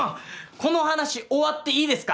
この話終わっていいですか？